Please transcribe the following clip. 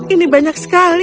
ini banyak sekali